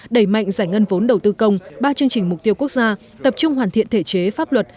đẩy mạnh giải ngân vốn đầu tư công ba chương trình mục tiêu quốc gia tập trung hoàn thiện thể chế pháp luật